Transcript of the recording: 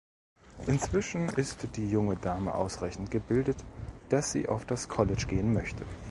Inzwischen ist die junge Dame ausreichend gebildet, dass sie auf das College gehen möchte.